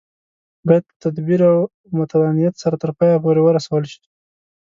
باید په تدبیر او متانت سره تر پایه پورې ورسول شي.